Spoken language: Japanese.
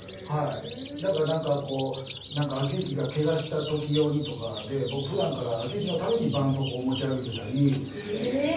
だから晃行がケガした時用にとかで僕ふだんから晃行のためにばんそうこうを持ち歩いてたりえぇ！